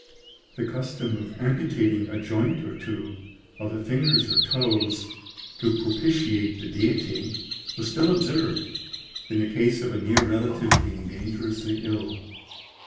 The custom of amputating a joint or two of the fingers or toes, to propitiate the Deity, was still observed, in the case of a near relative being dangerously ill.